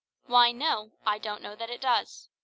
Why, no, I don't know that it does.